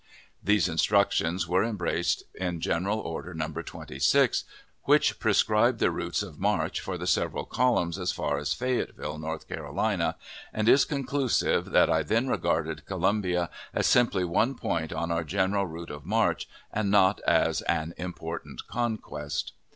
These instructions were embraced in General Order No. 26, which prescribed the routes of march for the several columns as far as Fayetteville, North Carolina, and is conclusive that I then regarded Columbia as simply one point on our general route of march, and not as an important conquest.